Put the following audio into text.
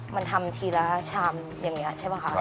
มันทำนี้แชมน์ชามแบบนี้ค่ะ